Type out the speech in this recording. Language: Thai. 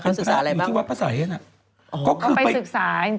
แล้วตอนนี้เป็นอย่างไรล่ะเค้าศึกษาอะไรบ้าง